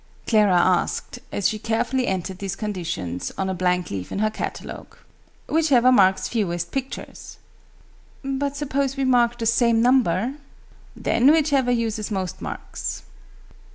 Clara asked, as she carefully entered these conditions on a blank leaf in her catalogue. "Whichever marks fewest pictures." "But suppose we marked the same number?" "Then whichever uses most marks."